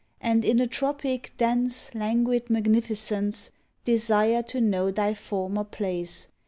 And, in a tropic, dense. Languid magnificence. Desire to know thy former place.